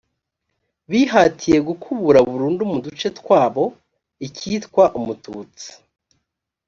bihatiye gukubura burundu mu duce twabo ikitwa umututsi